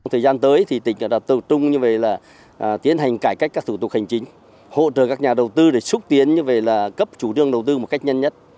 thời gian tới tỉnh đã tập trung tiến hành cải cách các thủ tục hành chính hỗ trợ các nhà đầu tư để xúc tiến cấp chủ đương đầu tư một cách nhanh nhất